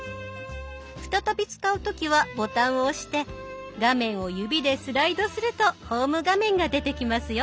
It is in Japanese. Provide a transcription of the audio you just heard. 再び使う時はボタンを押して画面を指でスライドするとホーム画面が出てきますよ。